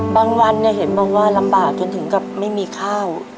บางวันเนี่ยเห็นบางว่ารำบากจนถึงกับไม่มีข้าว